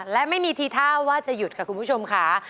และไม่มีทีท่าว่าจะหยุดค่ะคุณผู้ชมค่ะ